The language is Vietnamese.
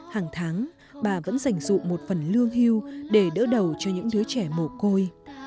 hàng tháng bà vẫn giành dụ một phần lương hưu để đỡ đầu cho những đứa trẻ mổ côi